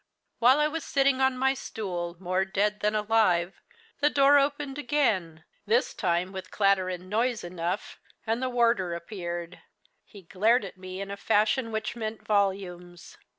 While I was sitting on my stool, more dead than alive, the door opened again, this time with clatter and noise enough, and a warder appeared. He glared at me in a fashion which meant volumes.